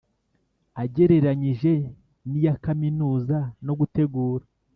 agereranyije n iya Kaminuza no gutegura